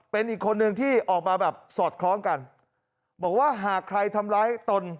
เป็นอีกคนนึงที่ออกมาแบบสอดคล้องกันบอกว่าหากใครทำร้ายตน